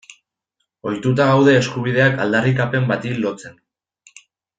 Ohituta gaude eskubideak aldarrikapen bati lotzen.